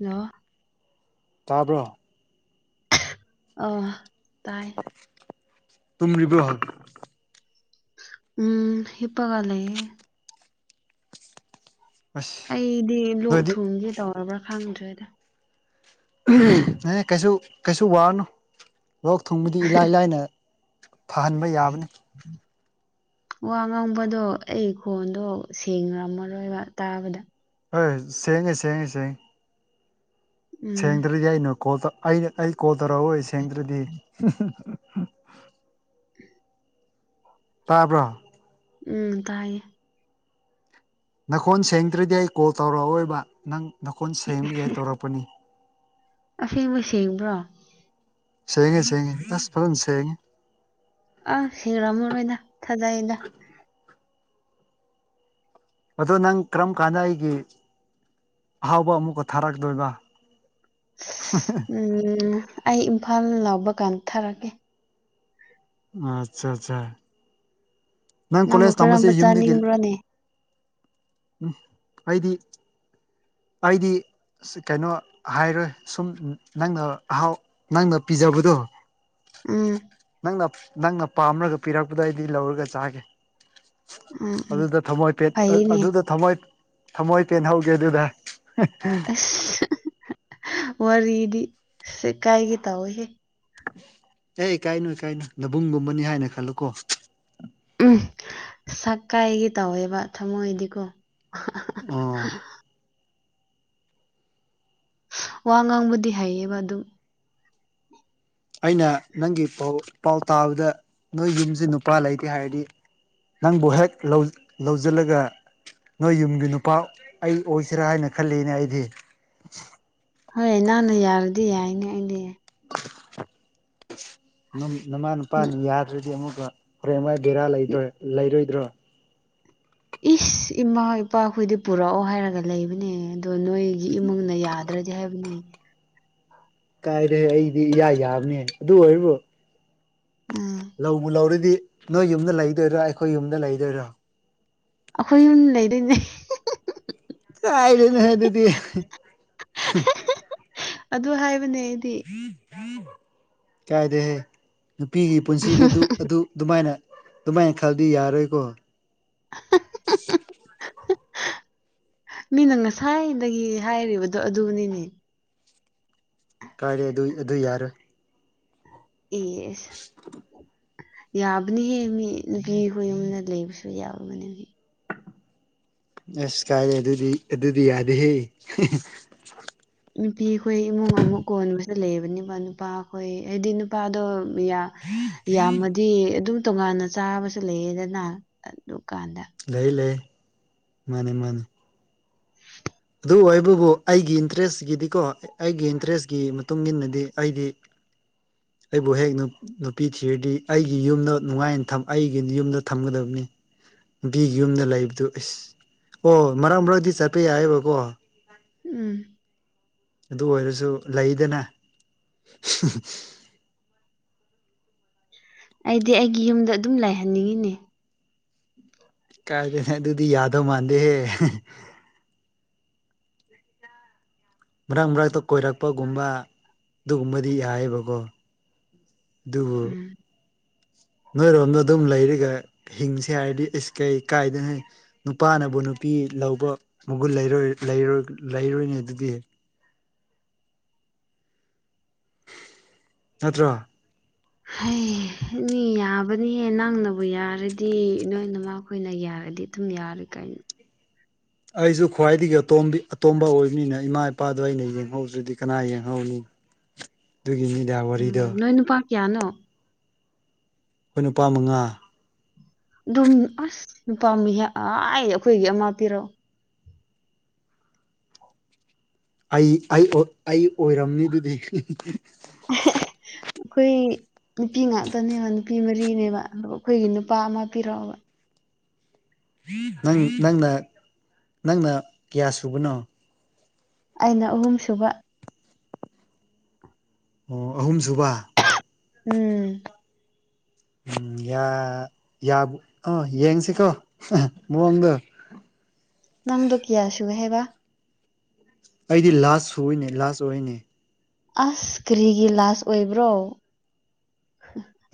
ꯂ ꯇꯥꯕ꯭ꯔꯣ ꯑ ꯇꯥꯏ ꯇꯨꯝꯔꯤꯕ ꯎꯝ ꯏꯄꯥ ꯀꯂꯦ ꯑꯁ ꯑꯩꯗꯤ ꯂ ꯅꯣꯏꯗꯤ ꯊꯨꯝꯁꯦ ꯇꯧꯔꯕ꯭ꯔꯥ ꯈꯪꯗ꯭ꯔꯦꯗ ꯑꯦꯍ ꯀꯩꯁꯨ ꯀꯩꯁꯨ ꯋꯥꯅꯨ ꯂꯣꯛ ꯊꯨꯡꯕꯗꯤ ꯏꯂꯥꯏ ꯂꯥꯏꯅ ꯐꯍꯟꯕ ꯌꯥꯕꯅꯤ ꯋꯥ ꯉꯥꯡꯕꯗꯣ ꯑꯩ ꯈꯣꯟꯗꯣ ꯁꯦꯡꯅꯔꯝꯃꯔꯣꯏꯕ ꯇꯥꯕꯗ ꯍꯣꯏꯣꯏ ꯁꯦꯡꯉꯦ ꯁꯦꯡꯉꯦ ꯁꯦꯡꯉ ꯎꯝ ꯁꯦꯡꯗ꯭ꯔꯗꯤꯩꯅꯣ ꯀꯣꯜ ꯑꯩꯅ ꯑꯩ ꯀꯣꯜ ꯇꯧꯔꯛꯑꯣꯣꯏ ꯁꯦꯡꯗ꯭ꯔꯗꯤ ꯎꯝ ꯇꯥꯕ꯭ꯔ ꯎꯝ ꯇꯥꯏꯌꯦ ꯅꯈꯣꯟꯜ ꯁꯦꯡꯗ꯭ꯔꯗꯤ ꯑꯩ ꯀꯣꯜ ꯇꯧꯔꯛꯑꯣꯑꯣꯣꯏꯕ ꯅꯪ ꯅꯀꯣꯟ ꯁꯦꯡꯒ ꯍꯥꯏ ꯇꯧꯔꯛꯄꯅꯤ ꯑ ꯁꯦꯝꯦꯡꯕ꯭ꯔ ꯁꯦꯡꯕ꯭ꯔꯣ ꯁꯦꯡꯉ ꯁꯉꯦ ꯑꯁ ꯐ ꯁꯉ ꯑ ꯁꯤꯔꯃꯔ ꯑꯣꯏꯅꯅ ꯊꯥꯖꯥꯏꯅ ꯑꯗꯣ ꯅꯪ ꯀꯔꯝ ꯀꯥꯟꯗ ꯑꯩꯒꯤꯦ ꯑꯍꯥꯎꯕ ꯑꯃꯃꯛꯀ ꯊꯔꯥꯀꯗꯕ ꯎꯝ ꯑꯩ ꯏꯝꯐꯥꯜ ꯂꯥꯎꯕ ꯀꯥꯟꯊꯔꯒꯦ ꯑꯆꯥ ꯑꯆꯥ ꯅꯪ ꯅꯪꯕꯨ ꯀꯣꯂꯦꯖ ꯇꯝꯁꯦ ꯀꯔꯝꯕ ꯌꯨꯝꯗꯒꯤ ꯆꯥꯅꯤꯡꯕ꯭ꯔꯣꯅꯦ ꯎꯝ ꯑꯩꯗꯤ ꯑꯩꯗꯤ ꯑꯁ ꯀꯩꯅꯣ ꯍꯥꯏꯔꯣꯏ ꯁꯨꯝ ꯅꯪꯅ ꯑꯍꯥꯎ ꯅꯪꯅ ꯄꯤꯖꯕꯗꯣ ꯎꯝ ꯅꯪꯅ ꯅꯪꯅ ꯄꯥꯝꯔꯒ ꯄꯤꯔꯛꯄꯗ ꯑꯩꯗꯤ ꯂꯧꯔꯒ ꯆꯥꯒꯦ ꯎꯝ ꯎꯝ ꯑꯗꯨꯗ ꯊꯝꯃꯣꯏ ꯄꯦꯟ ꯐꯩꯌꯦꯅꯦ ꯑꯗꯨꯗ ꯊꯃꯣꯏ ꯊꯝꯃꯣꯏ ꯄꯦꯟ ꯍꯧꯧꯒꯦ ꯑꯗꯨꯗ ꯑꯁ ꯋꯥꯔꯤꯗꯤ ꯀꯥꯏꯒꯤꯦ ꯇꯧꯑꯣꯏꯍꯦ ꯑꯦ ꯏ ꯀꯥꯏꯅꯨ ꯏ ꯀꯥꯏꯅꯨ ꯗꯕꯨꯡꯒꯨꯝꯕꯅꯤ ꯍꯥꯏꯅ ꯈꯜꯂꯨꯀꯣ ꯎꯝ ꯁꯛ ꯀꯥꯏꯒꯤ ꯇꯧꯋꯦꯕ ꯊꯃꯣꯏꯗꯤꯀꯣ ꯑ ꯋꯥ ꯉꯥꯡꯕꯗꯤ ꯍꯩꯌꯦꯕ ꯑꯗꯨꯝ ꯑꯩꯅ ꯅꯪꯒꯤ ꯄꯥꯎ ꯇꯥꯕꯗ ꯅꯣꯏ ꯌꯨꯝꯁꯦ ꯅꯨꯄꯥ ꯂꯩꯇꯦ ꯍꯥꯏꯔꯗꯤ ꯅꯪꯕꯨ ꯍꯦꯛ ꯂꯧꯁꯤꯜꯂꯒ ꯅꯣꯏ ꯌꯨꯝꯒꯤ ꯅꯨꯄꯥ ꯑꯩ ꯑꯣꯏꯁꯤꯔꯥ ꯍꯥꯏꯅ ꯈꯜꯂꯤꯅꯦ ꯑꯩꯗꯤ ꯍꯣꯏ ꯅꯍꯅ ꯌꯥꯔꯗꯤ ꯌꯥꯏꯅꯦ ꯑꯗꯤ ꯅꯃꯥꯟ ꯅꯨꯄꯥꯅꯤ ꯌꯥꯗ꯭ꯔꯗꯤ ꯑꯃꯨꯛ ꯐ꯭ꯔꯦꯃ ꯕꯦꯔꯥ ꯂꯩꯗ꯭ꯔꯣꯏ ꯂꯩꯔꯣꯏꯗ꯭ꯔꯣ ꯏꯁ ꯏꯃꯥ ꯏꯄꯥ ꯍꯈꯣꯏꯗꯤ ꯄꯨꯔꯛꯑꯣ ꯍꯥꯏꯔꯒ ꯂꯩꯕꯅꯦ ꯑꯗꯣ ꯅꯣꯏꯒꯤ ꯏꯃꯨꯡꯅ ꯌꯥꯗ꯭ꯔꯗꯤ ꯍꯥꯏꯕꯅꯤ ꯀꯥꯏꯔꯦ ꯑꯩꯗꯤ ꯏꯌꯥ ꯌꯥꯕꯅꯦ ꯑꯗꯨ ꯑꯣꯏꯔꯕꯣ ꯎꯝ ꯂꯕꯨ ꯂꯧꯔꯗꯤ ꯅꯣꯏ ꯌꯨꯝꯗ ꯂꯩꯗꯣꯏꯔꯥ ꯑꯩꯈꯣꯏ ꯌꯨꯝꯗ ꯂꯩꯗꯣꯏꯔꯥ ꯑꯩꯈꯣꯏ ꯌꯨꯝ ꯂꯩꯗꯣꯏꯅꯦ ꯀꯥꯏꯗꯩꯅꯣꯍꯦ ꯑꯗꯨꯗꯤ ꯑꯗꯨ ꯍꯥꯏꯕꯅꯦ ꯑꯩꯗꯤ ꯀꯥꯏꯗꯦꯍꯦ ꯅꯨꯄꯤꯒꯤ ꯄꯨꯟꯁꯤꯗ ꯑꯗꯨ ꯑꯗꯨꯃꯥꯏꯅ ꯑꯗꯨꯃꯥꯏꯅ ꯈꯜꯗꯤ ꯌꯥꯔꯣꯏꯀꯣ ꯃꯤꯅ ꯉꯁꯥꯏꯗꯒꯤ ꯍꯥꯏꯔꯤꯕꯗꯣ ꯑꯗꯨꯅꯤꯅꯦ ꯀꯥꯏꯔꯦ ꯑꯗꯨ ꯑꯗꯨ ꯌꯥꯔꯣꯏ ꯑꯦ ꯌꯥꯕꯅꯤꯍꯦ ꯃꯤ ꯅꯨꯄꯤ ꯍꯣꯏꯏꯨꯝꯅ ꯂꯩꯕꯁꯨ ꯌꯥꯕꯅꯦꯍ ꯑꯁ ꯀꯥꯏꯔꯦ ꯑꯗꯨꯗꯤ ꯑꯗꯨꯗꯤ ꯌꯥꯗꯦꯍꯦ ꯅꯨꯄꯤꯈꯣꯏ ꯏꯃꯨꯡ ꯑꯃꯨꯛ ꯀꯣꯟꯕꯁꯨ ꯂꯩꯕꯅꯦꯕ ꯅꯨꯄꯥ ꯑꯩꯈꯣꯏ ꯍꯥꯏꯗꯤ ꯅꯨꯄꯥꯗꯣ ꯌꯥꯝꯃꯗꯤ ꯑꯗꯨꯝ ꯇꯣꯉꯥꯟꯅ ꯆꯥꯕꯁꯨ ꯂꯩꯌꯦꯗꯅ ꯑꯗꯨꯀꯥꯟꯗ ꯂꯩꯏ ꯂꯩ ꯃꯥꯅꯦ ꯃꯥꯅꯦ ꯑꯗꯨꯕꯨ ꯑꯩꯕꯕꯨ ꯑꯩꯒꯤ ꯏꯟꯇꯔꯦꯁꯀꯤꯗꯤꯀꯣ ꯑꯩꯒꯤ ꯏꯟꯇꯔꯦꯁꯀꯤ ꯃꯇꯨꯡ ꯏꯟꯅꯗꯤ ꯑꯩꯗꯤ ꯑꯩꯕꯨ ꯍꯦꯛ ꯅꯨꯄꯤ ꯊꯤꯔꯗꯤ ꯑꯩꯒꯤ ꯌꯨꯝꯗ ꯅꯨꯡꯉꯥꯏꯅ ꯑꯩꯒꯤ ꯌꯨꯝꯗ ꯊꯝꯒꯗꯕꯅꯤ ꯕꯤꯒꯤ ꯌꯨꯝꯗ ꯂꯩꯕꯗꯨ ꯑꯦꯁ ꯑꯣ ꯃꯔꯛ ꯃꯔꯛꯇꯗꯤ ꯆꯠꯄ ꯌꯥꯏꯕꯀꯣ ꯎꯝ ꯑꯗꯨ ꯑꯣꯏꯔꯁꯨ ꯂꯩꯗꯅ ꯑꯩꯗꯤ ꯑꯩꯒꯤ ꯌꯨꯝꯗ ꯑꯗꯨꯝ ꯂꯥꯏꯍꯟꯅꯤꯡꯉꯤꯅꯦ ꯀꯥꯏꯗꯅꯦ ꯇꯗꯨꯗꯤ ꯌꯥꯗꯣ ꯃꯥꯥꯟꯗ ꯍꯦ ꯃꯔꯛ ꯃꯔꯛꯇ ꯀꯣꯏꯔꯛꯄꯒꯨꯝꯕ ꯑꯗꯨꯒꯨꯝꯕꯗꯤ ꯌꯥꯌꯦꯕꯀꯣ ꯗꯕ ꯎꯝ ꯅꯣꯏꯔꯣꯝꯗꯣ ꯑꯗꯨꯝ ꯂꯩꯔꯒ ꯍꯤꯡꯁ ꯍꯥꯏꯔꯗꯤ ꯑꯩ ꯀꯩ ꯀꯥꯏꯗꯅ ꯅꯨꯄꯥꯅꯕꯨ ꯅꯨꯄꯤ ꯅꯨ ꯄꯄꯤ ꯂꯧꯕ ꯃꯒꯨꯟ ꯂꯩꯔ ꯂꯩꯔꯣꯏꯅꯤꯩ ꯑꯗꯨꯗꯤ ꯅꯠꯇ꯭ꯔ ꯍ ꯃꯤ ꯌꯥꯕꯅꯤꯍꯦ ꯅꯪꯅꯕꯨ ꯌꯥꯔꯗꯤ ꯅꯣꯏꯅꯃꯛ ꯑꯩꯈꯣꯏꯅ ꯌꯥꯔ ꯍꯥꯏꯗꯤ ꯑꯗꯨꯝ ꯌꯥꯔꯦ ꯀꯥꯏꯅ ꯑꯩꯁꯨ ꯈ꯭ꯋꯥꯏꯗꯒꯤ ꯑꯇꯣ ꯑꯇꯣꯝꯕ ꯑꯣꯏꯕꯅꯤꯅ ꯏꯃꯥ ꯏꯄꯥꯗꯣ ꯑꯩꯅ ꯌꯦꯡꯍꯧꯗ꯭ꯔꯗꯤ ꯀꯅꯥ ꯌꯦꯡꯍꯧꯅꯤ ꯑꯗꯨꯒꯤ ꯃꯤꯗꯥ ꯋꯥꯔꯤꯗ ꯌꯥꯅꯣ ꯑꯩꯈꯣꯏ ꯅꯨꯄꯥ ꯃꯉꯥ ꯑꯗꯨꯝ ꯑꯁ ꯅꯨꯄꯥꯥꯝꯃꯤꯦꯛ ꯍꯥꯏ ꯑꯩꯈꯣꯏꯒꯤ ꯑꯃ ꯄꯤꯔꯛꯑꯣ ꯑꯩ ꯑꯩ ꯑꯣꯏꯔꯝꯅꯤ ꯑꯗꯨꯗꯤ ꯑꯩꯣꯏ ꯅꯨꯄꯤ ꯉꯥꯛꯇꯅꯦꯕ ꯅꯨꯄꯤ ꯃꯔꯤꯅꯦꯕ ꯑꯗꯨꯒ ꯑꯩꯈꯣꯏꯒꯤ ꯅꯨꯄꯥ ꯑꯃ ꯄꯤꯔꯛꯑꯕ ꯅꯪ ꯅꯪꯅ ꯅꯪꯅ ꯀꯌꯥ ꯁꯨꯕꯅꯣ ꯑꯩꯅ ꯑꯍꯨꯝ ꯁꯨꯕ ꯑꯣ ꯑꯍꯨꯝꯁꯨꯕ ꯎꯝ ꯎꯝ ꯑ ꯌꯦꯡꯁꯤꯀꯣ ꯃꯑꯣꯡꯗꯣ ꯑ ꯅꯪꯗ ꯀ ꯑꯁꯨꯍꯦꯕ ꯑꯩꯗꯤ ꯂꯥꯁ ꯁꯨꯏꯅꯦ ꯂꯥꯁ ꯑꯣꯏꯅꯦ ꯑꯁ ꯀꯔꯤꯒꯤ ꯂꯥꯁ ꯑꯣꯏꯕ꯭ꯔꯣ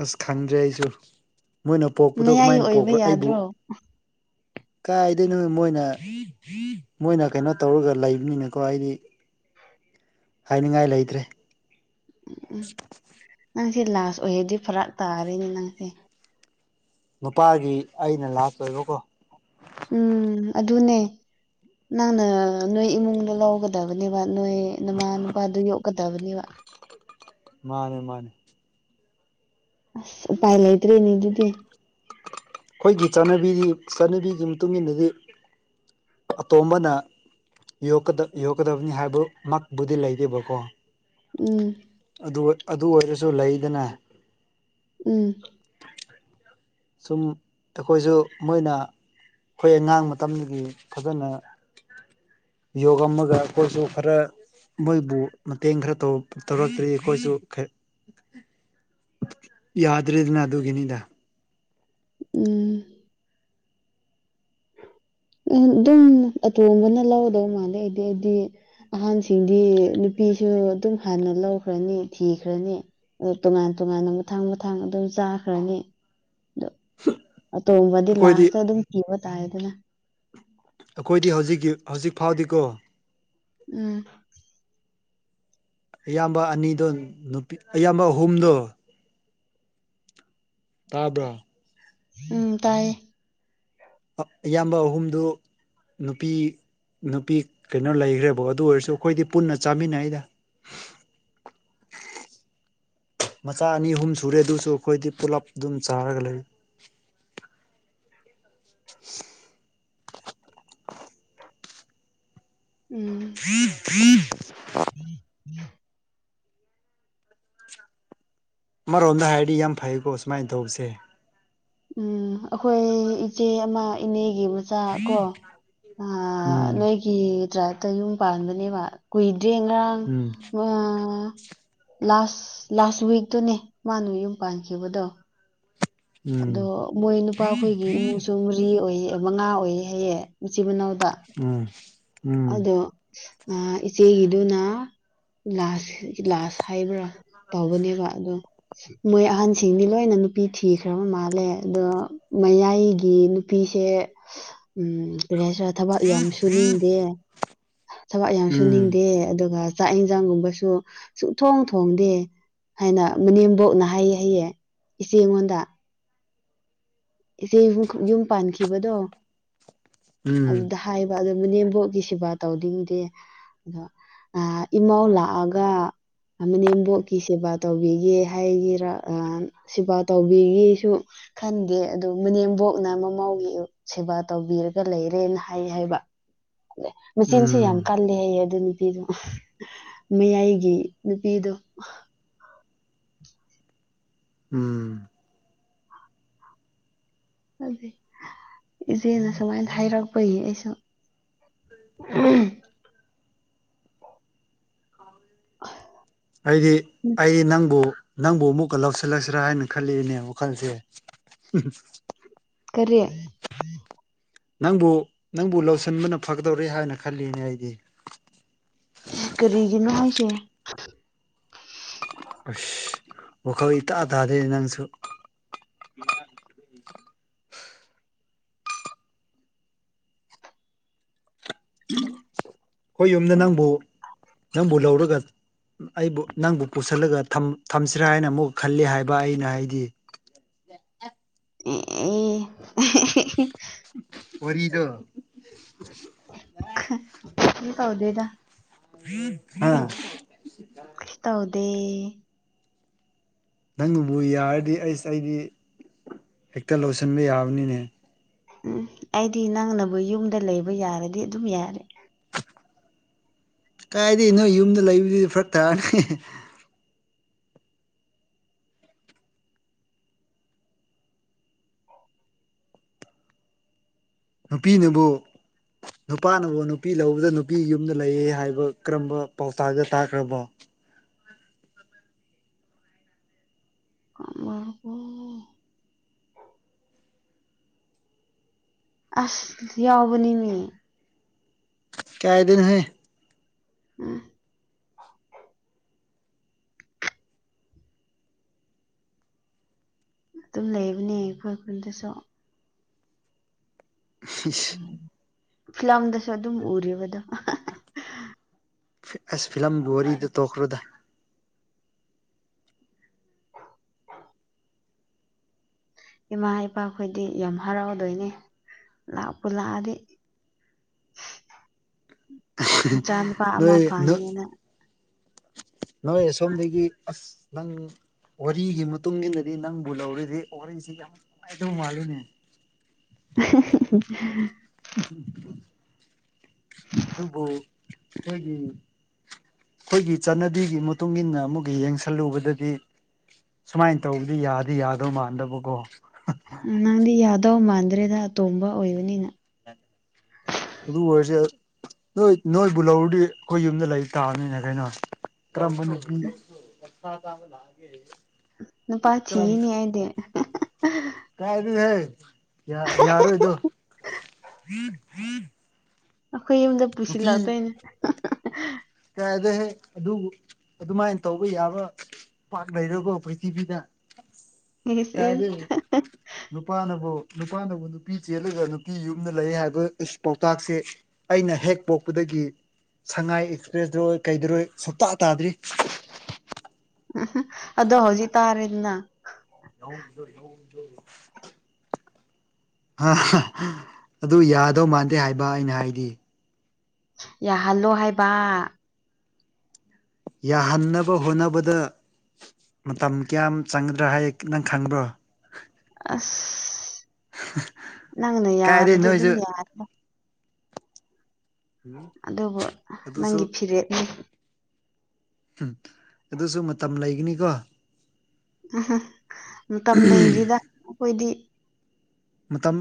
ꯑꯁ ꯈꯪꯗ꯭ꯔꯦ ꯑꯩꯁꯨ ꯃꯣꯏꯅ ꯄꯣꯛꯄꯗꯣ ꯃꯌꯥꯏ ꯀꯃꯥꯏꯅ ꯑꯣꯏꯕ ꯄꯣꯛꯄ꯭ꯔ ꯑꯩꯕꯨ ꯌꯥꯗ꯭ꯔꯣ ꯀꯥꯏꯗꯣꯏꯅꯣ ꯃꯣꯏꯅ ꯃꯣꯏꯅ ꯀꯩꯅꯣ ꯇꯧꯔꯒ ꯂꯩꯕꯅꯤꯅꯀꯣ ꯍꯥꯏꯗꯤ ꯍꯥꯏꯅꯤꯡꯉꯥꯏ ꯂꯩꯇ꯭ꯔꯦ ꯎꯝ ꯎꯝ ꯅꯪꯁꯦ ꯂꯥꯁ ꯑꯣꯏꯦꯗꯤ ꯐꯔꯥꯛ ꯇꯥꯔꯦꯅꯦ ꯅꯪꯁꯦ ꯅꯨꯄꯥꯒꯤ ꯑꯩꯅ ꯂꯥꯁ ꯑꯣꯏꯕꯀꯣ ꯎꯝ ꯑꯗꯨꯅꯦ ꯅꯪꯅ ꯅꯣꯏ ꯏꯃꯨꯡꯗꯣ ꯂꯧꯒꯗꯕꯅꯦꯕ ꯅꯣꯏ ꯃꯃꯥ ꯅꯨꯄꯥꯗꯨ ꯌꯣꯛꯀꯗꯕꯅꯦꯕ ꯃꯥꯅꯦ ꯃꯥꯅꯦ ꯑꯁ ꯎꯄꯥꯏ ꯂꯩꯇ꯭ꯔꯤꯅꯦ ꯑꯗꯨꯗꯤ ꯑꯩꯈꯣꯏꯒꯤ ꯆꯠꯅꯕꯤꯗꯤ ꯆꯠꯅꯕꯤꯒꯤ ꯏꯟꯅꯗꯤ ꯑꯇꯣꯝꯕꯅ ꯌꯣꯛꯀꯗꯕꯅꯤ ꯍꯥꯏꯕꯃꯛꯕꯨꯗꯤ ꯂꯩꯈꯤꯕꯀꯣ ꯎꯝ ꯑꯗꯨ ꯑꯣꯏꯔꯁꯨ ꯂꯩꯗꯅ ꯎꯝ ꯁꯨꯝ ꯑꯩꯈꯣꯏꯁꯨ ꯃꯣꯏꯅ ꯑꯩꯈꯣꯏ ꯑꯉꯥꯡ ꯃꯇꯝꯗꯒꯤ ꯐꯖꯅ ꯌꯣꯒ ꯑꯃꯒ ꯑꯩꯈꯣꯏꯁꯨ ꯈꯔ ꯃꯣꯏꯕꯨ ꯃꯇꯦꯡ ꯈꯔ ꯇꯧꯔꯛꯇ꯭ꯔꯤ ꯑꯩꯈꯣꯏꯁꯨ ꯌꯥꯗ꯭ꯔ ꯑꯗꯨꯅ ꯑꯗꯨꯒꯅꯤꯗ ꯎꯝ ꯑꯗꯨꯝ ꯑꯇꯣꯡꯕꯅ ꯂꯧꯒꯗꯕ ꯃꯥꯜꯂꯦ ꯑꯩꯗꯤ ꯑꯩꯗꯤ ꯑꯍꯟꯁꯤꯡꯗꯤ ꯅꯨꯄꯤ ꯁꯤꯁꯨ ꯑꯗꯨꯝ ꯍꯥꯟꯅ ꯂꯧꯈ꯭ꯔꯅꯤ ꯊꯤꯈ꯭ꯔꯅꯤ ꯑꯗꯨ ꯇꯣꯉꯥꯟ ꯇꯣꯉꯥꯟꯅ ꯃꯊꯥꯡ ꯃꯊꯥꯡ ꯑꯗꯨꯝ ꯆꯥꯈ꯭ꯔꯅꯤ ꯎꯝ ꯑꯇꯣꯕꯗꯤ ꯂꯥꯁꯇ ꯑꯗꯨꯝ ꯊꯤꯕ ꯇꯥꯏ ꯑꯗꯨꯅ ꯑꯩꯈꯣꯏꯗꯤ ꯍꯧꯖꯤꯛꯀꯤ ꯍꯧꯖꯤꯛ ꯐꯥꯎꯗꯤꯀꯣ ꯎꯝ ꯑꯌꯥꯝꯕ ꯑꯅꯤꯗꯣ ꯅꯨꯄꯤ ꯑꯌꯥꯝꯕ ꯑꯍꯨꯝꯗꯣ ꯇꯥꯕ꯭ꯔ ꯎꯝ ꯇꯥꯏꯌꯦ ꯑꯌꯥꯝꯕ ꯑꯍꯨꯝꯗꯨ ꯅꯨꯄꯤ ꯅꯨꯄꯤ ꯀꯩꯅꯣ ꯂꯩꯈ꯭ꯔꯦꯕꯣ ꯑꯗꯨ ꯑꯣꯏꯔꯁꯨ ꯑꯩꯈꯣꯏꯗꯤ ꯄꯨꯟꯅ ꯆꯥꯃꯤꯟꯅꯩꯗ [inaudible] ꯃꯆꯥ ꯑꯅꯤ ꯑꯍꯨꯝ ꯁꯨꯔꯦ ꯑꯗꯨꯁꯨ ꯑꯩꯈꯣꯏꯗꯤ ꯄꯨꯂꯞ ꯑꯗꯨꯝ ꯆꯥꯔꯒ ꯂꯩ [inaudible] ꯍ [unintelligible] ꯎꯝ ꯎꯝ ꯑꯃꯔꯣꯝꯗ ꯍꯥꯏꯔꯗꯤ ꯌꯥꯝ ꯐꯩꯀꯣ ꯁꯨꯃꯥꯏ ꯗꯣꯛꯞꯁꯦ ꯎꯝ ꯑꯩꯈꯣꯏ ꯏꯆꯦ ꯑꯃ ꯏꯅꯦ ꯑꯩ ꯃꯆꯥ ꯀꯣ ꯎꯝ ꯅꯣꯏꯒꯤꯗ꯭ꯔꯥ ꯑꯇ ꯌꯨꯝ ꯄꯥꯟꯕꯅꯦꯕ ꯀꯨꯏꯗ꯭ꯔꯦ ꯉꯔꯥꯡ ꯎꯝ ꯎ ꯂꯥꯁ ꯂꯥꯁ ꯋꯤꯛꯇꯨꯅꯦ ꯃꯥꯅ ꯌꯨꯝ ꯄꯥꯟꯈꯤꯕꯗꯣ ꯎꯝ ꯑꯗꯣ ꯃꯣꯏ ꯅꯨꯄꯥꯈꯣꯏꯒꯤ ꯏꯃꯨꯡꯁꯨ ꯃꯔꯤ ꯑꯣꯏꯌꯦ ꯃꯉꯥ ꯑꯣꯏ ꯍꯥꯏꯌꯦ ꯖꯤꯕꯅꯗ ꯎꯝ ꯑꯗꯣ ꯏꯆꯦꯒꯤꯗꯨꯅ ꯂꯥꯁ ꯂꯥꯁ ꯍꯥꯏꯕ꯭ꯔꯥ ꯇꯧꯕꯅꯦꯕ ꯑꯗꯣ ꯃꯣꯏ ꯑꯍꯟꯁꯤꯡꯗꯤ ꯂꯣꯏꯅ ꯅꯨꯄꯤ ꯊꯤꯈ꯭ꯔ ꯈꯔ ꯃꯥꯜꯂꯦ ꯑꯗꯣ ꯃꯌꯥꯏꯒꯤ ꯅꯨꯄꯤꯁꯦ ꯎꯝ ꯔꯔꯦꯁꯔꯥ ꯊꯕꯛ ꯌꯥꯝ ꯁꯨꯅꯤꯡꯗꯦ ꯊꯕꯛ ꯌꯥꯝ ꯁꯨ ꯎꯝ ꯅꯤꯡꯗꯦ ꯑꯗꯨꯒ ꯆꯥꯛ ꯌꯦꯟꯁꯥꯡꯒꯨꯝꯕꯁꯨ ꯁꯨꯛ ꯊꯣꯡ ꯊꯣꯡꯗꯦ ꯍꯥꯏꯅ ꯃꯅꯦꯝꯕꯣꯛꯅ ꯍꯥꯏꯌꯦ ꯍꯩꯌꯦ ꯏꯆꯦ ꯑꯩꯉꯣꯟꯗ ꯏꯆꯦ ꯌ ꯌꯨꯝ ꯄꯥꯟꯈꯤꯕꯗꯣ ꯎꯝ ꯎꯝ ꯑꯗꯨꯗ ꯍꯥꯏꯕ ꯑꯗꯨ ꯃꯅꯦꯝꯕꯣꯛꯀꯤ ꯁꯦꯕꯥ ꯇꯧꯅꯤꯡꯗꯦ ꯑꯗꯣ ꯏꯃꯧ ꯂꯥꯛꯑꯒ ꯃꯅꯦꯝꯕꯣꯛꯀꯤ ꯁꯦꯕꯥ ꯇꯧꯕꯤꯒꯦ ꯍꯥꯏꯒꯔ ꯁꯦꯕꯥ ꯇꯧꯕꯤꯒꯦꯁꯨ ꯈꯪꯒꯦ ꯑꯗꯨ ꯃꯅꯦꯝꯕꯣꯛꯅ ꯃꯃꯥꯎꯒꯤ ꯁꯦꯕꯥ ꯇꯧꯕꯤꯔꯒ ꯂꯩꯔꯦꯅ ꯍꯥꯏ ꯍꯥꯏꯕ ꯃꯦꯆꯤꯟꯁꯨ ꯎꯝ ꯌꯥꯝ ꯀꯜꯂꯦ ꯍꯥꯏꯌꯦ ꯑꯗꯨꯅꯤ ꯅꯨꯄꯤꯗꯣ ꯃꯌꯥꯏꯒꯤ ꯅꯨꯄꯤꯗꯣ ꯎꯝ ꯑꯗꯨ ꯏꯆꯦꯅ ꯁꯨꯃꯥꯏꯅ ꯍꯥꯏꯔꯛꯄꯒꯤ ꯑꯩꯁꯨ ꯎꯝ ꯑꯩꯗꯤ ꯑꯩ ꯅꯪꯕꯨ ꯅꯪꯕꯨ ꯑꯃꯨꯛꯀ ꯂꯧꯁꯤꯜꯂꯁꯤꯔꯥ ꯍꯥꯏꯅ ꯈꯜꯂꯤꯏꯅꯦ ꯋꯥꯈꯜꯁꯦ ꯍꯨꯝ ꯍꯨꯝ ꯀꯔꯤ ꯅꯪꯕꯨ ꯅꯪꯕꯨ ꯂꯧꯁꯤꯟꯕꯅ ꯐꯒꯗꯧꯔꯦ ꯍꯥꯏꯅ ꯈꯜꯂꯤꯅꯦ ꯑꯩꯗꯤ ꯀꯔꯤꯒꯤꯅꯣ ꯍꯥꯏꯁꯦ ꯑꯁ ꯋꯥꯈꯜ ꯏꯇꯥ ꯇꯥꯗꯦꯅꯦ ꯅꯪꯁꯨ ꯐꯨ ꯍꯣꯏ ꯌꯨꯝꯗ ꯅꯪꯕꯨ ꯅꯪꯕꯨ ꯂꯧꯔꯒ ꯑꯩꯕꯨ ꯅꯪꯕꯨ ꯄꯨꯁꯜꯂꯒ ꯊꯝ ꯊꯝꯁꯤꯔꯥ ꯍꯥꯏꯅ ꯑꯃꯨꯛ ꯈꯜꯂꯤ ꯍꯥꯏꯕ ꯑꯩꯅ ꯍꯥꯏꯗꯤ ꯑꯦ ꯑꯦꯍꯦ ꯍꯦ ꯍꯦ ꯍꯦ ꯋꯥꯔꯤꯗꯣ ꯈ ꯀꯔꯤ ꯇꯧꯗꯦꯗ ꯍꯥ ꯑꯦ ꯅꯪꯕꯨ ꯌꯥꯔꯗꯤ ꯑꯩꯁ ꯑꯩꯗꯤ ꯍꯦꯛꯇ ꯂꯧꯁꯤꯟꯕ ꯌꯥꯕꯅꯤꯅꯦ ꯎꯝ ꯑꯩꯗꯤ ꯅꯪꯅꯕꯨ ꯌꯨꯝꯗ ꯂꯩꯕ ꯌꯥꯔꯗꯤ ꯑꯗꯨꯝ ꯌꯥꯔꯦ ꯀꯥꯏꯗꯩ ꯅꯣꯏ ꯌꯨꯝꯗ ꯂꯩꯕꯗꯨꯗꯤ ꯐꯔꯛ ꯇꯥꯅꯤ ꯍꯤ ꯍꯤ ꯅꯨꯄꯤꯅꯕꯨ ꯅꯨꯄꯥꯅꯕꯨ ꯅꯨꯄꯤ ꯂꯧꯕꯗ ꯅꯨꯄꯤ ꯌꯨꯝꯗ ꯂꯩꯌꯦ ꯍꯥꯏꯕ ꯀꯔꯝꯕ ꯄꯥꯎꯇꯥꯛꯗ ꯇꯥꯈ꯭ꯔꯕꯣ ꯃꯥ ꯕꯣ ꯑꯁ ꯌꯥꯎꯕꯅꯤꯅꯦ ꯀꯌꯥꯗꯩꯅ ꯍꯦ ꯎꯝ ꯇꯨꯝ ꯂꯩꯕꯅꯦ ꯈꯣꯏ ꯈꯨꯟꯗꯁꯨ ꯐꯤꯂꯝꯗꯁꯨ ꯑꯗꯨꯝ ꯎꯔꯤꯕꯗꯣ ꯑꯥ ꯐꯤ ꯑꯁ ꯐꯤꯂꯝꯒꯤ ꯋꯥꯔꯤꯗꯣ ꯇꯣꯛꯈ꯭ꯔꯣꯗ ꯏꯃꯥ ꯏꯄꯥꯈꯣꯏꯗꯤ ꯌꯥꯝ ꯍꯔꯥꯎꯗꯣꯏꯅꯦ ꯂꯥꯛꯄꯨ ꯂꯥꯛꯑꯗꯤ ꯃꯆꯥꯅꯨꯄꯥ ꯑꯃ ꯅꯣꯏ ꯅꯪ ꯐꯪꯉꯦꯅ ꯅꯣꯏ ꯁꯣꯝꯗꯒꯤ ꯑꯁ ꯅꯪ ꯋꯥꯔꯤꯒꯤ ꯃꯇꯨꯡ ꯏꯟꯅꯗꯤ ꯅꯪꯕꯨ ꯂꯧꯔꯤꯗꯤ ꯋꯥꯔꯤꯁꯤ ꯌꯥꯝ ꯅꯨꯡꯉꯥꯏꯗꯧ ꯃꯥꯜꯂꯤꯅꯦ [unintelligible] ꯑꯗꯨꯕꯨ ꯑꯩꯈꯣꯏꯒꯤ ꯈꯣꯏꯒꯤ ꯆꯠꯅꯕꯤꯒꯤ ꯃꯇꯨꯡ ꯃꯇꯨꯡꯏꯟꯅ ꯑꯃꯨꯛꯀ ꯌꯦꯡꯁꯜꯂꯨꯕꯗꯗꯤ ꯁꯨꯃꯥꯏꯅ ꯇꯧꯕꯗꯤ ꯌꯥꯗꯤ ꯌꯥꯗꯧ ꯃꯥꯟꯗꯕꯀꯣ ꯎꯝ ꯅꯪꯗꯤ ꯌꯥꯗꯧ ꯃꯥꯟꯗ꯭ꯔꯦꯗ ꯑꯇꯣꯝꯕ ꯑꯣꯏꯕꯅꯤꯅ ꯑꯗꯨ ꯑꯣꯏꯔꯁꯨ ꯅꯣꯏ ꯅꯣꯏꯕꯨ ꯂꯧꯔꯗꯤ ꯑꯩꯈꯣꯏ ꯌꯨꯝꯗ ꯂꯩ ꯇꯥꯕꯅꯤꯅ ꯀꯩꯅꯣ ꯀꯔꯝꯕ ꯅꯨꯄꯤ ꯁꯥ ꯆꯥꯕ ꯂꯥꯛꯑꯅꯤ ꯍꯥꯏꯒꯦ ꯅꯨꯄꯥꯥ ꯊꯤꯌꯤꯅꯤ ꯑꯩꯗꯤ ꯑꯍꯥ ꯍꯥ ꯍꯥ ꯍꯥ ꯑꯥ ꯀꯥꯏꯗꯩꯅꯍꯦ ꯌꯥ ꯌꯥꯔꯣꯏꯗꯣ ꯈꯣꯏ ꯌꯨꯝꯗ ꯅꯨꯄꯤ ꯄꯨꯁꯤꯜꯂꯛꯇꯣꯏꯅꯦ ꯍꯥ ꯍꯥ ꯍꯥ ꯍꯥ ꯀꯥꯏꯗꯩꯍꯦ ꯑꯗꯨꯕꯨ ꯑꯗꯨꯃꯥꯏꯅ ꯇꯧꯕ ꯌꯥꯕ ꯄꯥꯛ ꯂꯩꯔꯣꯀꯣ ꯄ꯭ꯔꯤꯊꯤꯕꯤꯗ ꯏꯁ ꯀꯥꯏꯗꯩ ꯏꯁ ꯅꯨꯄꯥꯅꯕꯨ ꯅꯨꯄꯥꯅꯕꯨ ꯅꯨꯄꯤ ꯆꯦꯜꯂꯒ ꯅꯨꯄꯤ ꯌꯨꯝꯅ ꯂꯩ ꯍꯥꯏꯕ ꯏꯁ ꯄꯥꯎꯇꯥꯛꯁꯦ ꯑꯩꯅ ꯍꯦꯛ ꯄꯣꯛꯄꯗꯒꯤ ꯒꯤ ꯁꯉꯥꯏ ꯑꯦꯛꯁꯄ꯭ꯔꯦꯁ ꯗꯔꯣꯏ ꯀꯩꯗꯔꯣꯏ ꯁꯨꯛꯇꯥ ꯇꯥꯗ꯭ꯔꯤ ꯑꯍꯥ ꯑꯗꯣ ꯍꯧꯖꯤꯛ ꯇꯥꯔꯦꯗꯅ ꯌꯎ ꯏꯗꯣ ꯌꯎꯗꯣ [unintelligible] ꯍꯥ ꯍꯥ ꯑꯗꯨ ꯌꯥꯗꯧ ꯃꯥꯟꯗꯦ ꯍꯥꯏꯕ ꯑꯩꯅ ꯍꯥꯏꯗꯤ ꯌꯥ ꯍꯜꯂꯣ ꯍꯥꯏꯕ ꯌꯥꯍꯟꯅꯕ ꯍꯣꯠꯅꯕꯗ ꯃꯇꯝ ꯀꯌꯥꯝ ꯆꯪꯒꯗ꯭ꯔꯥ ꯍꯥꯏꯌꯦ ꯅꯪ ꯈꯪꯕ꯭ꯔꯣ ꯑꯁ ꯅꯪꯅ ꯀꯥꯏꯗꯩ ꯌꯥꯔꯗꯤ ꯑꯗꯨꯝ ꯅꯣꯏꯁꯨ ꯌꯥꯔꯦ ꯎꯝ ꯑꯗꯨꯕꯨ ꯅꯪꯒꯤ ꯐꯤꯔꯦꯞꯅꯤ ꯎꯝ ꯑꯗꯨꯁꯨ ꯃꯇꯝ ꯂꯩꯒꯅꯤꯀꯣ ꯎꯝ ꯃꯇꯝ ꯂꯩꯔꯤꯗ ꯑꯩꯈꯣꯏꯗꯤ ꯃꯣꯝꯜ